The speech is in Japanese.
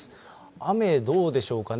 雨、どうでしょうかね。